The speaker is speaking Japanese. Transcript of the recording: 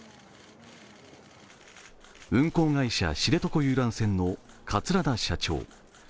運航会社、知床遊覧船の桂田社長。